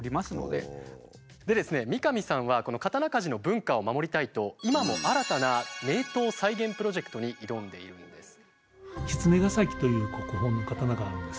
でですね三上さんはこの刀鍛冶の文化を守りたいと今も新たな名刀再現プロジェクトに挑んでいるんです。